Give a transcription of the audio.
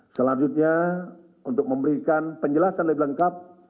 selanjutnya untuk memberikan penjelasan lebih lengkap